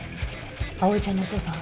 葵ちゃんのお父さん？